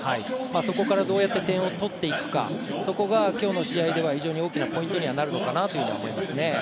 そこからどうやって点を取っていくか、そこが今日の試合では非常に大きなポイントになると思います。